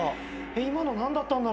今の何だったんだろう。